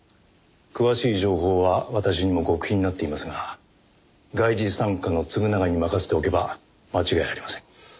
詳しい情報は私にも極秘になっていますが外事三課の嗣永に任せておけば間違いありません。